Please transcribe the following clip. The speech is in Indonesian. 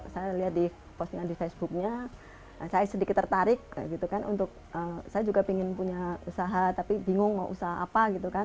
saya lihat di postingan di facebooknya saya sedikit tertarik untuk saya juga ingin punya usaha tapi bingung mau usaha apa gitu kan